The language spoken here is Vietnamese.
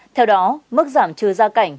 theo đó mức giảm trừ gia cảnh